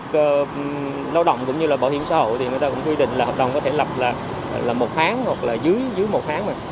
hợp đồng lao động cũng như là bảo hiểm xã hội thì người ta cũng quy định là hợp đồng có thể lập là một tháng hoặc là dưới một tháng